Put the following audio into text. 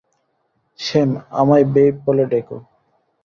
Sam, আমায় babe বলে ডেকো।